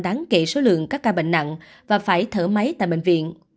đáng kể số lượng các ca bệnh nặng và phải thở máy tại bệnh viện